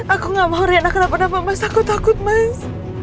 aku gak mau hari anak kenapa napa mas aku takut mas